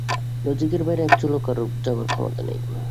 লজিকের বাইরে এক চুলও কারোর যাবার ক্ষমতা নেই।